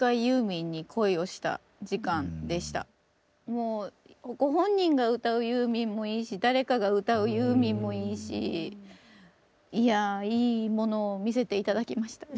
もうご本人が歌うユーミンもいいし誰かが歌うユーミンもいいしいやあいいものを見せて頂きました。